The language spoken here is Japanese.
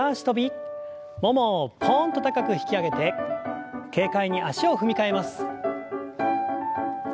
ももをポンと高く引き上げて軽快に足を踏み替えます。